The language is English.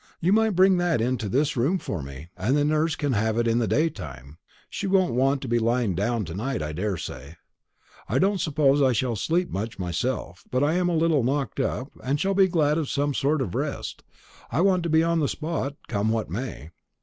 You might bring that into this room for me; and the nurse can have it in the day time. She won't want to be lying down to night, I daresay. I don't suppose I shall sleep much myself, but I am a little knocked up, and shall be glad of some sort of rest. I want to be on the spot, come what may."